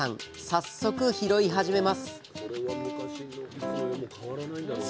早速拾い始めますあっ